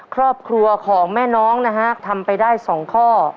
ครอบครัวของแม่น้องนะฮะทำไปได้๒ข้อ